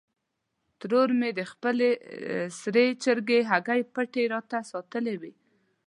ترور مې د خپلې سرې چرګې هګۍ پټې راته ساتلې وې.